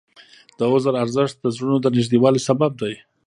د عذر ارزښت د زړونو د نږدېوالي سبب دی.